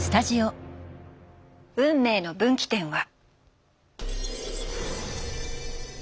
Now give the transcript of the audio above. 運命の分岐点は。